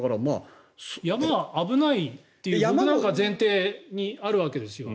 山は危ないという前提にあるわけですよ。